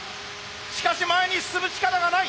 しかし前に進む力がない。